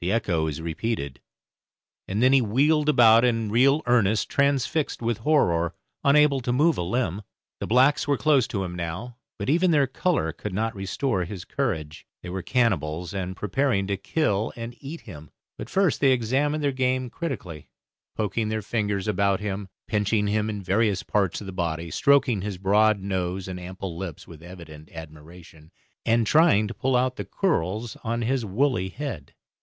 The echo was repeated, and then he wheeled about in real earnest, transfixed with horror, unable to move a limb. The blacks were close to him now, but even their colour could not restore his courage. They were cannibals, and were preparing to kill and eat him. But first they examined their game critically, poking their fingers about him, pinching him in various parts of the body, stroking his broad nose and ample lips with evident admiration, and trying to pull out the curls on his woolly head.